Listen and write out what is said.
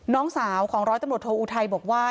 น้องสาวของร้อยตำรวจโทอุทัยบอกว่า